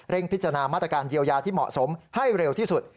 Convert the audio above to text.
พิจารณามาตรการเยียวยาที่เหมาะสมให้เร็วที่สุด